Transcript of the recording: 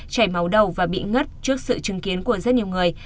chảy máu đầu và bị ngất trước sự chứng kiến của rất nhiều người